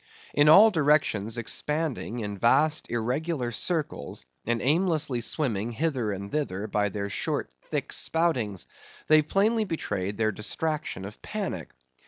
In all directions expanding in vast irregular circles, and aimlessly swimming hither and thither, by their short thick spoutings, they plainly betrayed their distraction of panic.